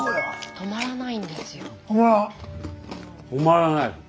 止まらない。